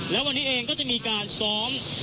แล้ววันนี้เองก็จะมีการซ้อม